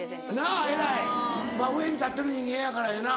なぁ偉い上に立ってる人間やからやな。